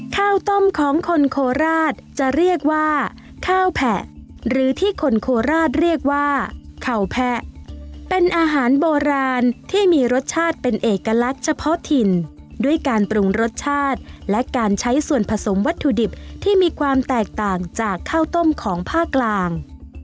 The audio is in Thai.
ข้าวต้มของคนโคราชจะเรียกว่าข้าวแผะหรือที่คนโคราชเรียกว่าเข่าแผะเป็นอาหารโบราณที่มีรสชาติเป็นเอกลักษณ์เฉพาะถิ่นด้วยการปรุงรสชาติและการใช้ส่วนผสมวัตถุดิบที่มีความแตกต่างจากข้าวต้มของภาคกลาง